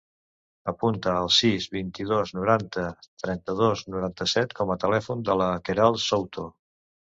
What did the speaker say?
Apunta el sis, vint-i-dos, noranta, trenta-dos, noranta-set com a telèfon de la Queralt Souto.